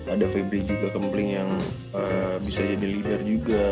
ada febri juga kempling yang bisa jadi leader juga